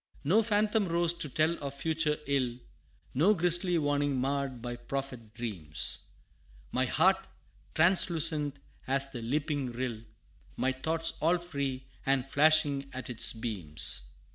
No phantom rose to tell of future ill, No grisly warning marr'd my prophet dreams My heart translucent as the leaping rill, My thoughts all free and flashing at its beams.